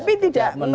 tapi di mana